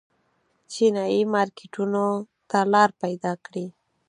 چینايي مارکېټونو ته لار پیدا کړي.